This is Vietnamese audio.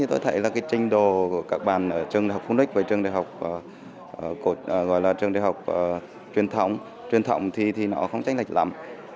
tôi thấy trình độ các bạn ở trường đại học phunix với trường đại học truyền thống không trách lệch lắm